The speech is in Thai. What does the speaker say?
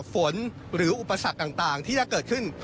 หรืออุปสรรคต่างที่จะเกิดขึ้น